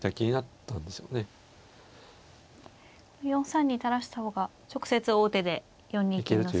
４三に垂らした方が直接王手で４二金の筋があると。